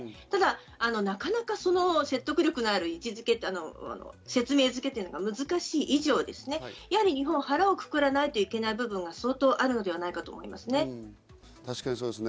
ただ、なかなかその説得力のある説明付けというのが難しい以上、やはり日本は腹をくくらないといけない部分が相当あるんじゃないかと思いますね。